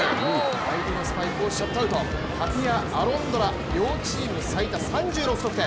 相手のスパイクをシャットアウトタピア・アロンドラ、両チーム最多３６得点。